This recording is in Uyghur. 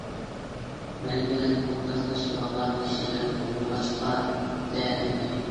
مەن بىلەن ئورتاقلىشىدىغان كىشىلەر بولمىغاچقا دە ئەمدى.